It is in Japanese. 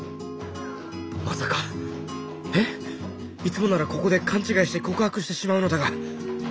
いつもならここで勘違いして告白してしまうのだが。